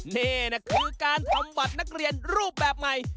นี่นะคือการทำบัตรนักเรียนรูปแบบใหม่